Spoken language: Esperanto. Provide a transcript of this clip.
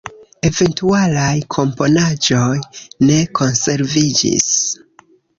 Eventualaj komponaĵoj ne konserviĝis.